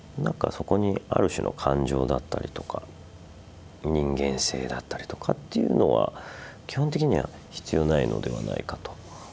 そこにある種の感情だったりとか人間性だったりとかっていうのは基本的には必要ないのではないかと。